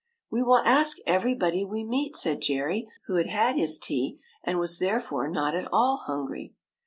"We will ask everybody we meet," said Jerry, who had had his tea ahd was therefore not at all hungry.